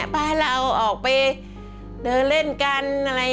ปั้ยเราออกไปเดินเล่นกัน